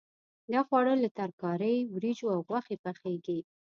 دا خواړه له ترکارۍ، وریجو او غوښې پخېږي.